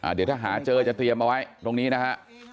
เดี๋ยวถ้าหาเจอจะเตรียมเอาไว้ตรงนี้นะฮะ